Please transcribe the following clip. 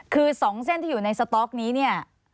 คือสองเส้นที่อยู่ในสต๊อกนี้